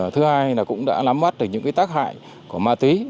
thứ hai là cũng đã nắm mắt được những tác hại của ma túy